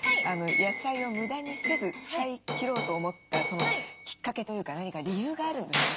野菜を無駄にせず使い切ろうと思ったそのきっかけというか何か理由があるんですか？